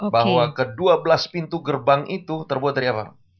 bahwa kedua belas pintu gerbang itu terbuat dari apa